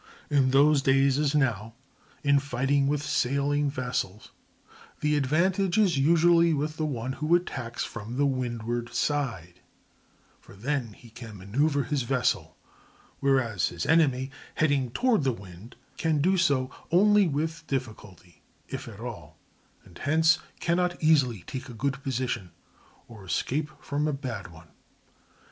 In those days, as now, in fighting with sailing vessels the advantage is usually with the one who attacks from the windward side; for then he can manœuver his vessel, whereas his enemy, heading toward the wind, can do so only with difficulty if at all, and hence cannot easily take a good position or escape from a bad one.